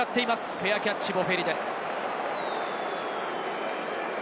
フェアキャッチはボフェリです。